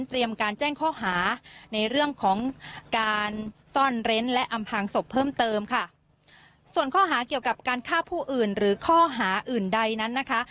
ในเรื่องของการซ่อนเร้นและอำพางศพเพิ่มเติมค่ะส่วนข้อหาเกี่ยวกับการฆ่าผู้อื่นหรือข้อหาอื่นใดนั้นนะคะ